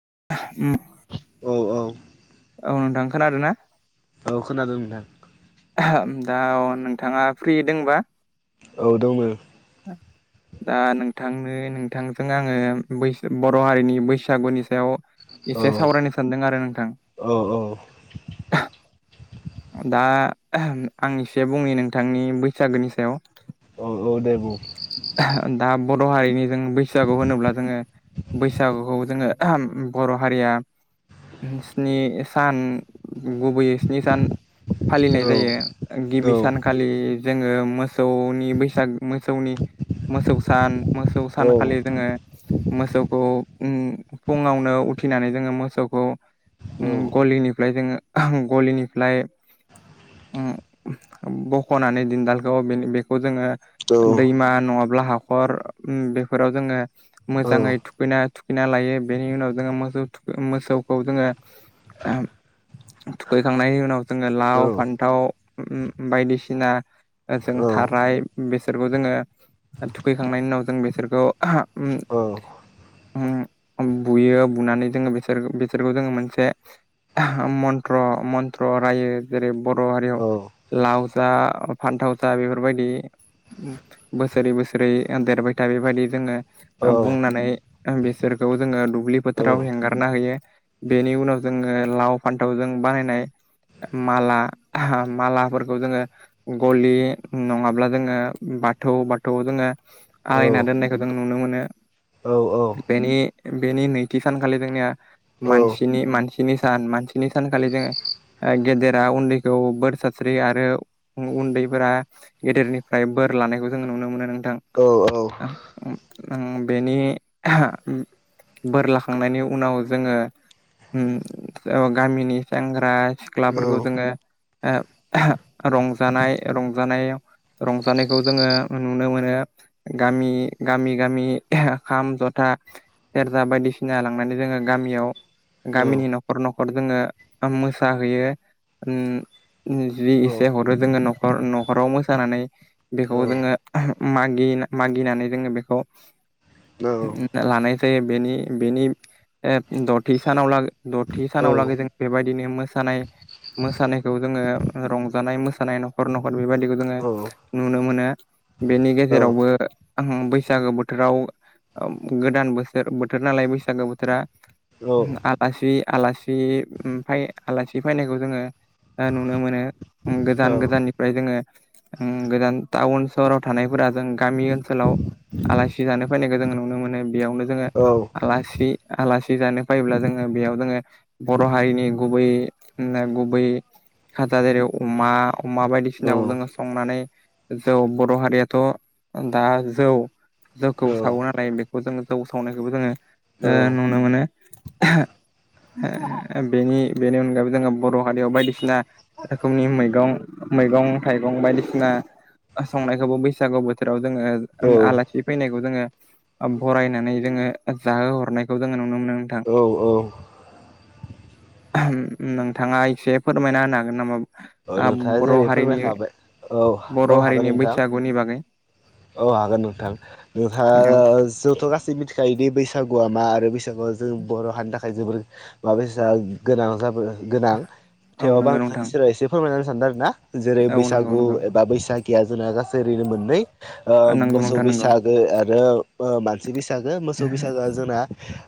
[unintelligible] औ औ औ नथांखोन आरोना औ खोनादों नथां दा नोंथाङा फ्रि दंबा औ दङ औ दा नोंथांनो नोंथांजों आङो बर हारिनि बैसागुनि सायाव औ एसे सावरायनो सानदों आरो नोंथां औ औ दा आं एसे बुंनि नोंथांनि बैसागोनि सायाव। औ औ दे बुं। दा बर' हारिनि जों बैसागु होनोब्ला जोङो बैसागुखौ जोङो बर' हारिया स्नि सान गुबैयै स्नि सान औ फालिनाय जायो औ गिबि सानखालि जोङो मोसौनि बैसाग मोसौनि मोसौ सान मोसौ औ सानखालि जोङो मोसौखौ फुङावनो उथिनानै जोङो मोसौखौ औ गलिनिफ्राय जोङो गलिनिफ्राय बख'नानै दिन्दालखौ बेखौ जोङो दैमा नङाब्ला हाखर बेफोराव जोङो औ मोजाङै थुख थुखैना लायो बेनि उनाव जों मो मोसौखौ जोङो थुखैखांनायनि उनाव जोङो लाव फान्थाव बायदिसिना ओ जों थाराय बेसोरखौ जोङो थुखैखांनायनि उनाव जों बेसोरखौ बुयो बुनानै जोङो बिसोर बिसोरखौ जोङो मोनसे मन्त्र मन्त्र रायो जेरै बर हारियाव लाव स फान्थावसा बेफोरबायदि बस बोसोरै बोसोरै देरबाय था बेबायदि जोङो बुंनानै बिसोरखौ जोङो दुब्लिफोर फोथाराव हगारना होयो बेनि उनाव जोङो लाव फान्थावजों बानायनाय माला आहा मालाफोरखौ जोङो गलि नङाब्ला जोङो बाथौ बाथौ जोङो औ आलायना दोननायखौ जों नुनो मोनो औ औ बेनि बेनि नैथि सानखालि जोंनिया मानसिनि मानसिनि सान मानसिनि सानखालि जोङो गेदेरा उन्दैखौ बोर सास्रियो आरो उन्दैफोरा गेदेरनिफ्राय बोर फोर लानायखौ जोंङो नुनो मोनो नोंथां। बेनि आहा बोर लाखांनायनि उनाव जोङो गामिनि सेंग्रा सिख्लाफोरखौ जोङो रंजानाय रंजानायाव रंजानायखौ जोङो नुनो मोनो गामि गामि गामि खाम जथा सेरजा बायदिसिना लांनानै जोङो गामियाव गामिनि न'खर न'खर नखर जोङो मोसाहैयो उम। जि एसे हरो जोङो न'खर न'खराव मोसानानै बेखौ जोङो मागि मागिनानै जोङो बेखौ लानाय जायो बेनि बेनि ए दथि सानाव ला दथि सानाव लागै जों बेबायदिनो मोसानाय मोसानायखौ जोङो रंजानाय मोसानाय न'खर न'खर बेबायदिखौ जोङो नुनो मोनो बेनि गेजेरावबो आं बैसागो बोथोराव गोदान बोसोर बोथोर नालाय बैसागो बोथोरा आलासि आलासि फाय आलासि फैनायखौ जोङो नुनो मोनो गोजान गोजाननिफ्राय जोङो गोजान टाउन सहराव थानायफोरा जों गामि ओनसोलाव आलासि जानो फैनायखौ जोङो नुनो मोनो बेयावनो जोङो आलासि आलासि जानो फैब्ला जोङो बेयाव जोङो बर' हारिनि गुबै नोंगुबै खाजा जेरै अमा अमा बायदिसिनाखौ जोङो संनानै ज बर' हारियाथ' दा जौ जौखौ सावो नालाय बेखौ जोङो जौ सावनायखौबो जोङो नुनो मोनो [unintelligible] बेनि बेनि अनगायैबो जोङो बर' हारियाव बायदिसिना रोखोमनि मैगं मैगं थाइगं बायदिसिना संनायखौबो बैसागु बोथोराव जोङो आलासि फैनायखौ जोङो बरायनानै जोङो जाहो हरनायखौ जोङो नुनो मोनो नोंथां। औ नोंथाङा एसे फोरमायना होनो हागोन नामा औ नोंथाङा बर' जेरै हारिनि फोरमायखाबाय औ बर' औ हागोन हारिनि नोंथां। बैसागुनि बागै औ हागोन नोंथां औ नोंथाङा जोंथ' गासै मिथिखायोदि बैसागु गुवा मा आरो बैसागुवा जों बर' हनि थाखाय जोबोर मा बायसा गोनां जाबो गोनां औ थेवबो आं नंगौ नोंथांनि नोंथां सेराव एसे फोरमायनानै सानदों आरोना जेरै औ नंगौ बैसागु नंगौ एबा बैसाग गिया जोंना गासै ओरैनो मोननै नंगौ मोसौ नोंथां नंगौ बैसागो आरो ओ मानसि बैसागो मोसौ बैसागोआ जोंना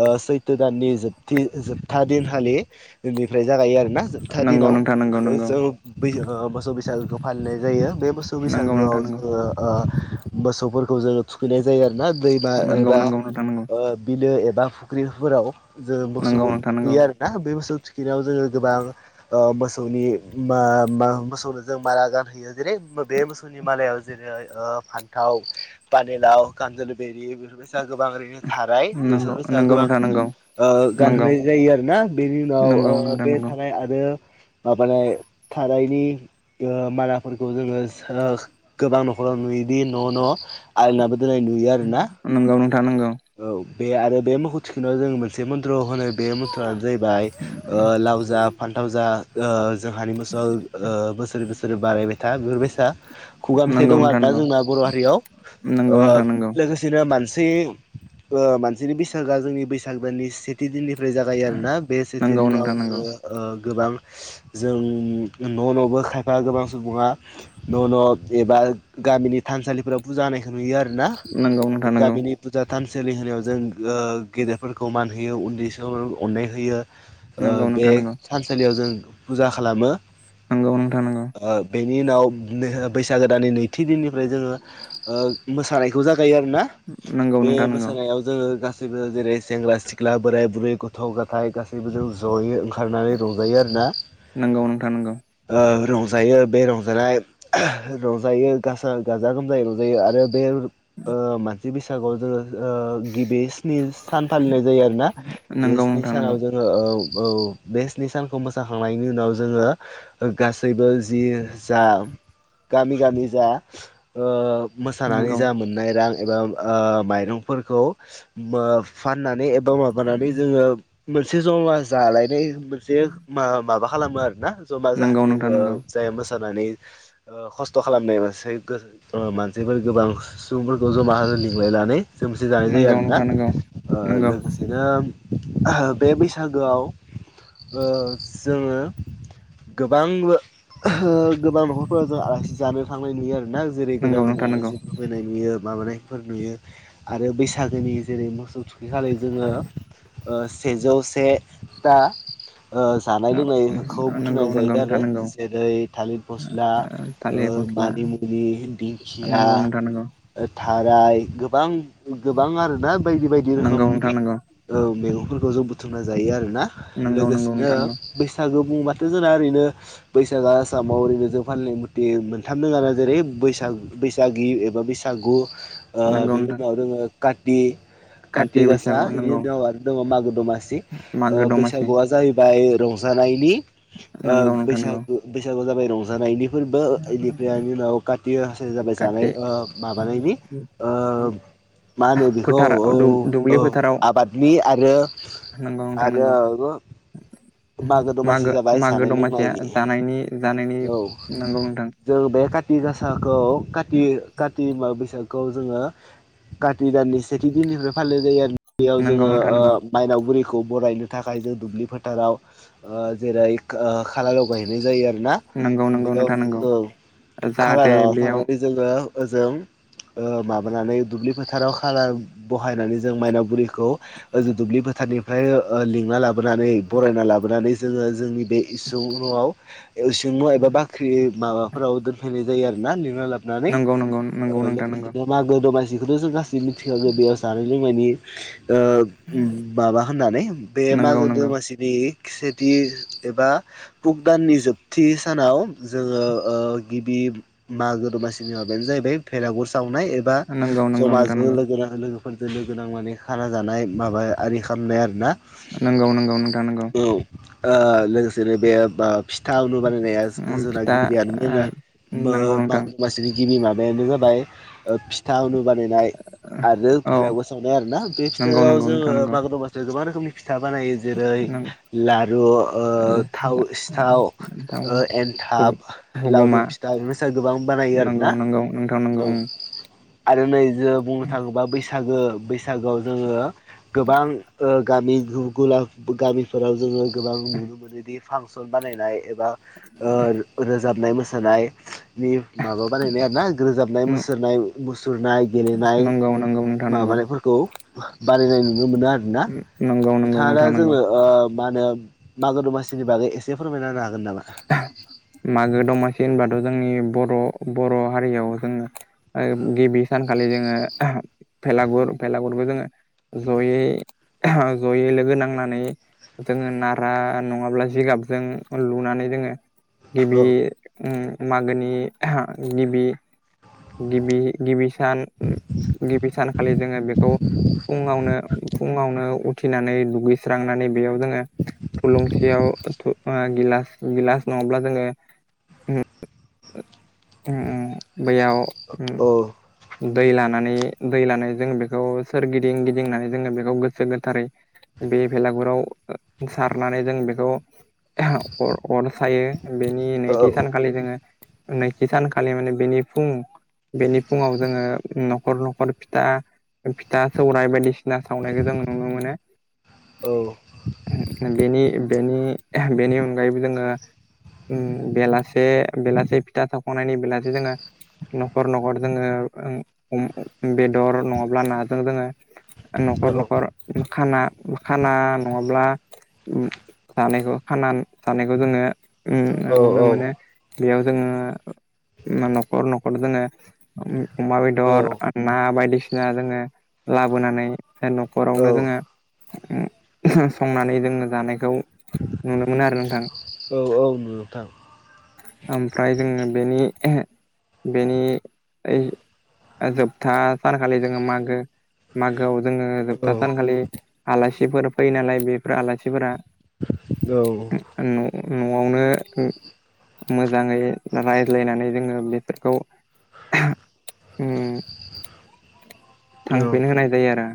ओ सैथो दाननि जोबथि जोबथा दिनखालि बेनिफ्राय जागायो आरो। ना जोबथा नंगौ दिनाव नोंथां नंगौ हो नंगौ जों बै मोसौ बैसागोखौ फालिनाय जायो बे मोसौ नंगौ बैसागोआव नोंथां नंगौ जोङो ओ मोसौफोरखौ जोङो थुखैनाय जायो आरो ना दैमा एबा बिलो ए बा फुख्रिफोराव जों नंगौ मोसौखौ नोंथां नंगौ थुखैयो आरोना बे मोसौ थुखैनायाव जोङो गोबां मोसौनि मा-मा मोसौनो जों माला गानहोयो। जेरै बे मोसौनि मालायाव जेरै फान्थाव पानिलाव कान्जलि बेेरि बेफोरबायदि गोबां ओरैनो थाराय बेसोर नंगौ बायसा गोबां नोंथां नंगौ ओ नंगौ गानहोनाय जायो आरोना बेनि उनाव ओ नंगौ नोंथां बे नंगौ थानाय आरो माबानाय- थानायनि ओ मालाफोरखौ जोङो सो गोबां न'खराव नुयोदि न'-न' न' आलायनाबो दोननाय नुयो आरोना। तानांगौ। औ बे आरो बे मोखौ थुखोनाव जों मोनसे मन्त्र होनो- बे मथ्रनो जाहैबाय ओ लाव जा फान्थाव जा ओ जोंहानि मोसौ ओ बोसोरै बोसो र बारायबाय था बिफोरबायसा- खुगा नंगौ नोंथां नंगौ मेथाइ दं नोंथां आरोना नंगौ जोंना बर' हारियाव नंगौ ओ नोंथां नंगौ लोगोसेनो मानसि- ओ मानसिनि बैसागोआ जोंनि बैसाग दाननि सेथि दिननि- फ्राय जागायो आरोना बे सेथि नोंगौ दिनाव नोंथां नोंगौ जोङो ओ गोबां जों-न' न'बो खायफा गोबां सुबुङा न'-न' एबा- ओ गामिनि थानसालिफोराव पुजा होनायखौ नुयो आरोना नोंगौ बे नोंथां नोंगौ गामिनि थानसालि होनायाव जों ओ गेदेरफोरखौ मान होयो उन्दै सौ अननाय होयो। ओ नोंगौ बे नोंथां नोंगौ थानसालियाव जों पुजा खालामो ओ बे नि उनाव बैसागो दानानि नैथि दिननिफ्राय जोङो ओ मोसानायखौ जाग नंगौ नों बे मोसानायाव जों ङोगासैबो जेरै सेंग्रा सिख्ला बोराय बुरै गथ' गाथाय गासैबो जों ज'यै ओंखा- खारनानै रंजायो आरोना नोंगौ नोंथां नोंगौ ओ रंजायो बे रंजानाय रंजायो गासा गाजा गोमजायै रंजायो आरो बे- ओ मानसि बैसागोआव जोङो- ओ गिबि स्नि सान फालिनाय जायो आरोना बे नोंगौ स्नि नोंथां नोंगौ सानाव जोङो ओ औ बे स्नि सानखौ मोसाखांनायनि उनाव जोङो गासैबो जि जा- गामि-गामि जा ओ मोसानानै जा मोननाय रां एबा ओ माइरंफोरखौ मो फाननानै एबा माबानानै जोङो मोनसे ज'मा जालायनाय मोनसे मा-माबा खालामो आरोना जमा नोंगौ जाहाथे नोंथां ओ नोंगौ जाय मो- नानै ओ खस्थ' खालामनाय मानसै गो ओ मानसिफोर गोबां सुबुंफोरखौ जमा हो- लिंलायनानै जोमसे जानाय जायो आरोना नोंगौ लोगोसेनो बे बैसागोआव ओ जोङो गोबां गोबां न'खरफोराव जों आलासि जानो थांनाय नुयो आरो दा जेरै नोंगौ गोदान गोदान नोंथां नोंगौ आलासिफोर फैनाय नुयो माबानायफोर नुयो आरो बैसागोनि जेरै मोसौ थुखैखालि जोङो सेजौ से दा ओ जानाय लोंनायखौ नोंगौ नोंथां नोंगौ नोंथां नोंगौ बुथुमनाय जायो नोंगौ आरो नोंथां नोंगौ जेरै थालिर फस्ला ओ थालिर फस्ला मानिमुनि दिंखिया नोंगौ नोंथां नोंगौ थाराय गोबां गोबां आरोना बायदि बायदि नोंगौ नोंथां रोखोमनि नोंगौ ओ मैगं फोरखौ जों बुथुमना जायो आरोना नोंगौ नोंगौ लोगोसेनो नोंथां नोंगौ बैसागो बुङोबाथ' जोंना ओरैनो बैसागोआ आसामाव ओरैनो जों फालि मुते मोनथाम दोंङो जेरै बैसाग बैसागि एबा बैसागु ओ नोंगौ बेनि नोंथां उनाव दोङो काति काति गासा बैसागु इनि नोंगौ उनाव आरो दङ मागो दमासि मागो ओ दमासि बैसागुआ जाहैबाय रंजानायनि ओ नोंगौ नोंथां नोंगौ बैसागो बैसागुआ जाबाय रंजानायनि ओ इनिफ्राय इनि उनाव काति गासाया जाबाय जानाय काति ओ माबानायनि ओ [inaudible] मा होनो बेखौ फोथार औ औ दुब्लि औ फोथाराव आबादनि आरो नोंगौ नोंथां नोंगौ आरोबो मागो मागो दमासिया लोंनायनि जानायनि जानायनि औ नंगौ नोंथां जों बे काति गासाखौ काति काति बैसागु खौ जोङो काति दाननि सेथि दिननिफ्राय फालिनाय जायो आरो बेयाव नंगौ जोङो नोंथां ओ नंगौ मायनाव बुरिखौ खौ बरायनो थाखाय जों दुब्लि फोथाराव ओ जेरै ओ खाला लगायहैनाय जायो आरो नंगौ नंगौ बेयाव नोंथां नंगौ ओं खाला जाहाथे लाना बेयाव थांनानै जोंङो ओजों ओ माबानानै दुब्लि फोथाराव खालार बहायनानै जों मायनावगुरिखौ ओजों दुब्लिफो फोथार निफ्राय लिंना लाबोनानै बरायना लाबोनानै जोंङो जोंनि बे इसुं न'आव एव जों मा एबा बाख्रि माबाफोराव दोनफैनाय जायो आरोना लिंना लाबो नानै नंगौ नंगौ नंगौ ओ नोंथां लोगोसे नंगौ मागो दमासि जिखौथ' जों गासैबो मिथिखागौ बेयाव जानाय लोंनायनि ओ ओम माबा होननानै बे नंगौ मागो नंगौ दमासिनि सेथि एबा भुगदान निजोब थि सानाव जोंङो ओ गिबि मागो दमासिनि माबायानो जाहैबाय भेरागुर साव नाइ एबा नंगौ नंगौ जम नोंथां नंगौ ज'लोगोनांना लोगोफोर फोरजों लोगोनांनानै खाना जानाय माबा आरि खालामनाय आरो ना नोंगौ नोंगौ नोंथां नोंगौ ओ लोगोसेनो बे बा फि थाउनु बानायनाया जोंना फिथा गिबियानो मना नंगौ नोंथां बाग मासिनि गिबि माबा [inaudible] बेनो जाबाय ओ फिथाउनो बानायनाय आरो औ भेलागुर सावनाय आरोना बे नंगौ फिथाइाव नंगौ जोंङो नोंथां नंगौ मागो दमासियाव गोबां रोखोमनि फि फिथा बानायो जेरै नंगौ लारु ओ थाव सिथाव ओ एन्थाब हुगुमा लावदुम फिथा बेफोर सा गोबां बानायो नंगौ आरोना नंगौ नोंथां औ [unintelligible] आरो नै जों बुंनो थांङोबा बैसागो बैसागोआव जोंङो गोबां ओ गामि गुला गामिफोराव जोंङो गोबां नुनो मोनोदि फांसन बानायनाय बा ओ रोजाबनाय मोसानाय नि माबा बानायनाय आरो ना रोजाबनाय मुसुरनाय मुसुरनाय गेलेनाय नंगौ नंगौ नोंथां नंगौ माबानायफोरखौ बानायनाय नुनो मोनो आरोना नंगौ नंगौ नोंथांङा दा नोंथां नंगौ जोंनो ओ मा होनो मागो दमासिनि बागै एसे फोरमायना होनो हागोन नामा? मागो दमासि होनबाथ' जोंनि बर' बर' हारियाव जोंङो गिबि सानखालि जोंङो भेलागुर भेलागुरबो जोंङो जयै-जयै लोगो नांनानै। जोंङो नारा नंङाब्ला जिगाबजों लुनानै। जोंङो औ गिबि उम। मागोनि गिबि-गिबि गिबिसिन। सान गिबि सानखालि जोंङो बेखौ फुंङावनो-फुंङावनो उ उथिनानै दुगैस्रांनानै बेयाव जोंङो थुलुंसियाव थु ओ गिलास। गिलास नंङाब्ला जोंङो उम ओ उम-उम। बैयाव उम। औ दै लानानै दै लानाय जों बेखौ सोरगिदिं गिदिंनानै जोंङो बेखौ गोसो गोथारै। बे भेलागुराव सारनानै जों बेखौ। अर-अर सायो बेनि औ नैथि सानखालि जोंङो। नैथि सानखलि माने बेनि फुं। बेनि फुंंङाव जोंङो न'खर-न'खर फिथा-फिथा सौरायाइ बायदिसि ना सावनायखौ जों नुनो मोनो औ बेनि बेनि-बेनि अनगायैबो जोंङो। उम बेलासे बेलासे फिथा सावखांनायनि बेलासे जोंङो। न'खर-न'खर जोंङो ओं अम बेदर नंङाब्ला नाजों जोंङो। न'खर-न'खर खाना-खाना नंङाब ब्ला जानायखौ खाना जानायखौ जोंङो। उम आं नुनो मोनो। बेयाव जोंङो न'खर-न'खर जोंङो उम। अमा बेदर औ आरो ना बायदिसिना जोङो लाबोनानै। जे औ न'खरावनो जोङो उ उहुम संनानै जोङो जानायखौ। नुनो मोनो आरो नोंथां औ-औ नोंथां। ओमफ्राय जोङो बेनि बेनि ओइ। ओ जोबथा सानखालि जोङो मागो-मागोआव। जोङो औ जोबथा सानखालि आलासिफोर फैयो नालाय बेफोर आलासिफोरा। [unintelligible] उम न' न'आवनो उम। मोजाङै रायज्लायनानै जोङो बिसोरखौ। उम औ थांफिन होनाय जायो आरो।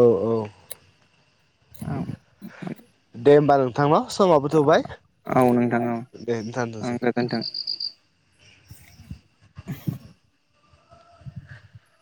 औ औ औ दे होमबा नोंथां ना। समाबो थोबाय औ नोंथां औ दे नोंथां ओं थासै। गोजोन्थों [unintelligible]